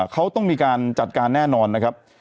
เขาต้องมีการจัดการแน่นอนนะครับ